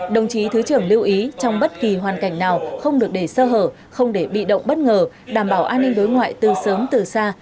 đồng chí thứ trưởng lưu ý trong bất kỳ hoàn cảnh nào không được để sơ hở không để bị động bất ngờ đảm bảo an ninh đối ngoại từ sớm từ xa